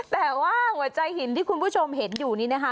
แต่ว่าหัวใจหินที่คุณผู้ชมเห็นอยู่นี้นะคะ